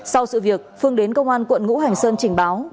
sau sự việc phương đến công an quận ngũ hành sơn trình báo